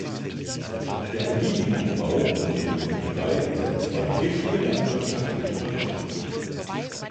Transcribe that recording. Der Olivenanbau und die Imkerei sind zwei wichtige landwirtschaftliche Bereiche.